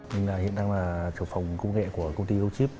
mình hiện đang là chủ phòng công nghệ của công ty gochip